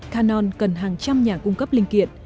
canon cần hàng trăm nhà cung cấp linh kiện